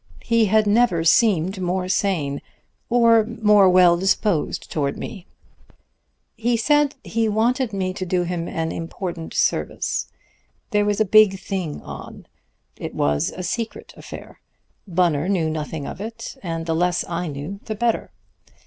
He had never seemed more sane, or more well disposed to me. "He said he wanted me to do him an important service. There was a big thing on. It was a secret affair. Bunner knew nothing of it, and the less I knew the better.